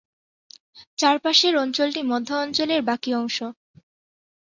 চারপাশের অঞ্চলটি মধ্য অঞ্চলের বাকী অংশ।